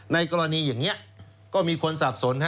ในกรณีอย่างนี้ก็มีคนสับสน